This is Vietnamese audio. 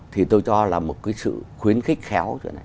thì tôi cho là một sự khuyến khích khéo